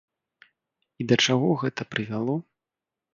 І да чаго гэта прывяло?